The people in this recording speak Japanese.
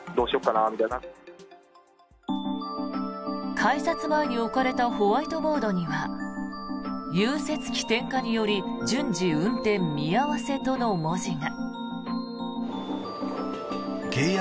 改札前に置かれたホワイトボードには融雪機点火により順次運転見合わせとの文字が。